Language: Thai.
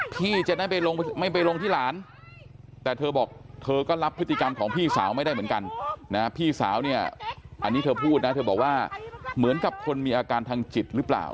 พี่จะได้ลงไม่ไปลงที่หลานแต่เธอบอกเธอก็รับพฤติกรรมของพี่สาวไม่ได้เหมือนกันนะพี่สาวเนี่ยอันนี้เธอพูดนะเธอบอกว่าเหมือนกับคนมีอาการทางจิตหรือเปล่า